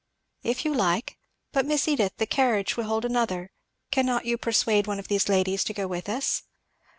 "If you like. But Miss Edith, the carriage will hold another cannot you persuade one of these ladies to go with us?"